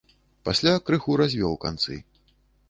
Пасля крыху развёў канцы.